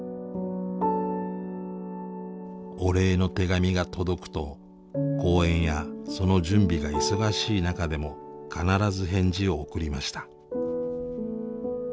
お礼の手紙が届くと講演やその準備が忙しい中でも必ず返事を送りました。